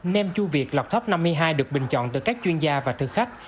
nem chua việt lọc top năm mươi hai được bình chọn từ các chuyên gia và thực khách